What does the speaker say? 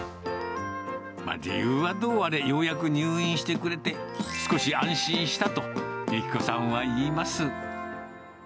ま、理由はどうあれ、ようやく入院してくれて少し安心したと、由希子さんは言います。